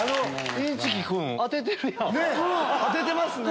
当ててますね。